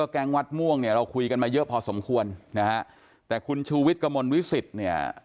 แก๊งวัดม่วงเนี่ยเราคุยกันมาเยอะพอสมควรนะฮะแต่คุณชูวิทย์กระมวลวิสิตเนี่ย